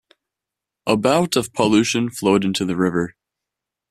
About of pollution flowed into the river.